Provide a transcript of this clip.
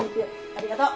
ありがとう。